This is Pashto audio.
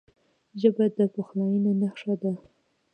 ژبه د پخلاینې نښه ده